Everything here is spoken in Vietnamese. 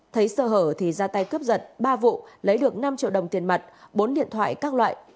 thấy sơ hở thì ra tay cướp giật ba vụ lấy được năm triệu đồng tiền mặt bốn điện thoại các loại